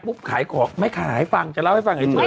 ขายของไม่ขายให้ฟังจะเล่าให้ฟังเฉย